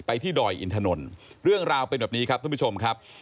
ที่ดอยอินถนนเรื่องราวเป็นแบบนี้ครับท่านผู้ชมครับ